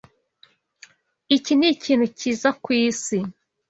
Iki nikintu cyiza kwisi.